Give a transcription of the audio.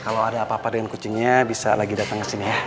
kalau ada apa apa dengan kucingnya bisa lagi datang ke sini ya